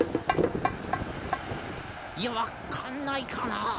いやわかんないかなあ。